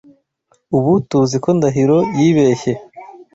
Ubu TUZI ko Ndahiro yibeshye.